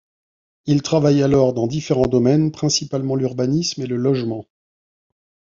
Il travaille alors dans différents domaines, principalement l'urbanisme et le logement.